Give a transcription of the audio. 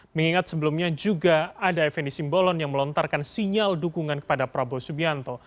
mengingat sebelumnya juga ada fnd simbolon yang melontarkan sinyal dukungan kepada prabowo subianto